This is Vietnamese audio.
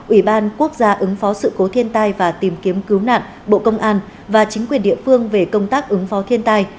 ủy ban quốc gia ứng phó sự cố thiên tai và tìm kiếm cứu nạn bộ công an và chính quyền địa phương về công tác ứng phó thiên tai